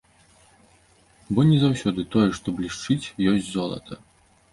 Бо не заўсёды тое, што блішчыць, ёсць золата.